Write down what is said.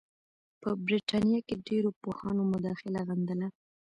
په برټانیه کې ډېرو پوهانو مداخله غندله.